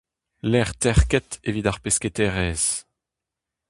Lec'h terket evit ar pesketaerezh.